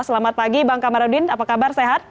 selamat pagi bang kamarudin apa kabar sehat